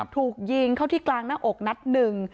ถูกยิงเข้าที่กลางหน้าอกนัดหนึ่ง